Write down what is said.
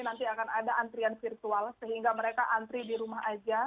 nanti akan ada antrian virtual sehingga mereka antri di rumah saja